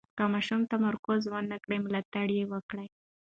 که ماشوم تمرکز ونه کړي، ملاتړ یې وکړئ.